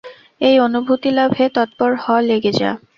এই অনুভূতিলাভে তৎপর হ, লেগে যা।